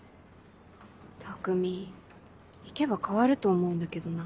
たくみ行けば変わると思うんだけどな。